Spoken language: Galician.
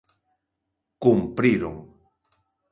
Cumpriron.